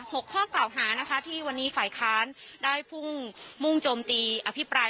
ข้อกล่าวหานะคะที่วันนี้ฝ่ายค้านได้พุ่งมุ่งโจมตีอภิปราย